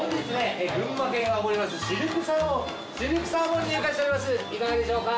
いかがでしょうか？